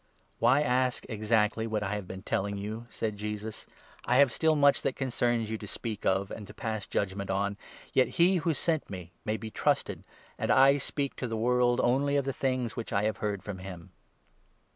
25 "Why ask exactly what I have been telling you?" said Jesus. " I have still much that concerns you to speak of and 26 to pass judgement on ; yet he who sent me may be trusted, and I speak to the world only of the things which I have heard from him."